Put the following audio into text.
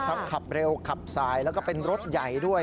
ขับเร็วขับสายแล้วก็เป็นรถใหญ่ด้วย